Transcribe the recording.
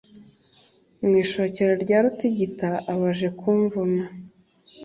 Mu ishokero rya Rutigita abaje kumvuna